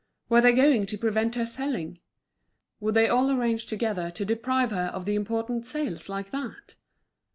Were they going to prevent her selling? Would they all arrange together to deprive her of the important sales, like that?